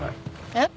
えっ？